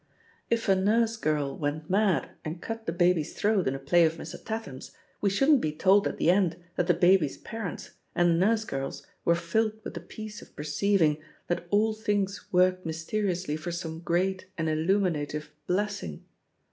If a nurse girl went mad and cut the baby's throat in a play of Mr. Tatham's, we shouldn't be told at the end that the baby's par ents, and the nurse girl's were filled with the peace of perceiving that all things worked mys THE POSITION OF PEGGY HARPER «79 teriously for some great and illuminative bless ing.